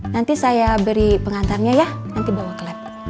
nanti saya beri pengantarnya ya nanti bawa ke lab